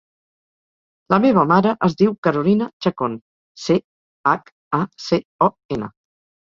La meva mare es diu Carolina Chacon: ce, hac, a, ce, o, ena.